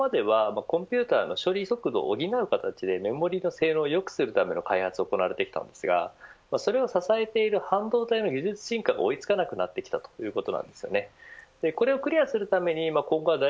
また２つ目は、今まではコンピューターの処理速度を補う形でメモリの性能を良くするための開発が行われてきたんですがそれを支えている半導体の技術進化が追いつかなくなってきたということなんですよね。